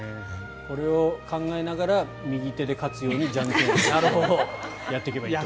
これを考えながら右手で勝つように、じゃんけんをやっていけばいいと。